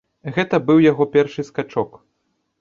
Гэта быў яго першы скачок.